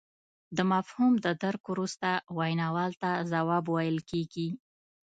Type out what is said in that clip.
د مفهوم د درک وروسته ویناوال ته ځواب ویل کیږي